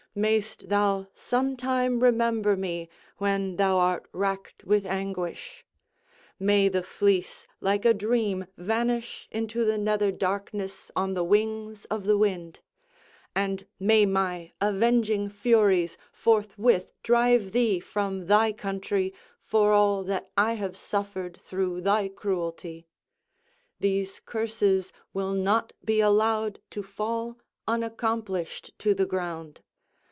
Mayst thou some time remember me when thou art racked with anguish; may the fleece like a dream vanish into the nether darkness on the wings of the wind! And may my avenging Furies forthwith drive thee from thy country, for all that I have suffered through thy cruelty! These curses will not be allowed to fall unaccomplished to the ground.